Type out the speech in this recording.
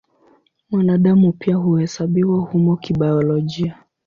Mwanadamu pia huhesabiwa humo kibiolojia.